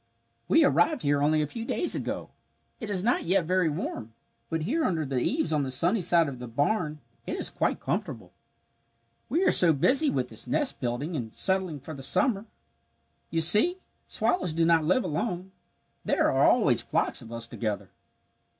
"We arrived here only a few days ago. It is not yet very warm, but here under the eaves on the sunny side of the barn it is quite comfortable. "We are so busy with this nest building and settling for the summer. You see we swallows do not live alone. There are always flocks of us together.